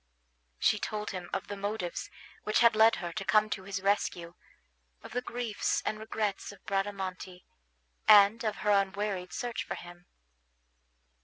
She told him of the motives which had led her to come to his rescue, of the griefs and regrets of Bradamante, and of her unwearied search for him.